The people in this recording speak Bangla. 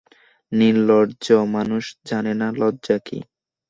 নির্লজ্জ মানুষ জানে না, লজ্জা কী।